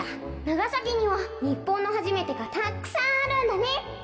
長崎には日本のはじめてがたくさんあるんだね。